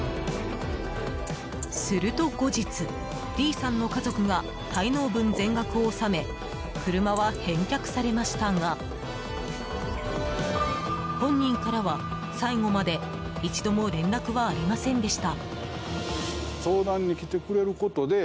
すると後日、Ｄさんの家族が滞納分全額を納め車は返却されましたが本人からは、最後まで一度も連絡はありませんでした。